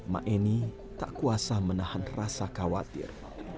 ma'eni tak kuasa menahan rasa khawatir